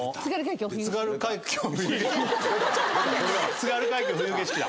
『津軽海峡・冬景色』だ。